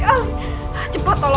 ganti kalau mau